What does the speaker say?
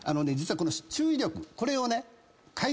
実はこの注意力これをね。